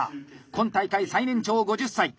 今大会最年長５０歳！